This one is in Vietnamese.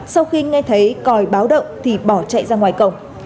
sau khi nghe thấy còi báo động thì bỏ chạy ra ngoài cổng